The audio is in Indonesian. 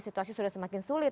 situasi sudah semakin sulit